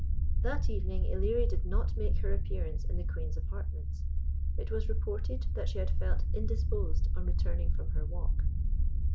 That evening Ilerie did not make her appearance in the Queen's apartments. It was reported that she had felt indisposed on returning from her walk.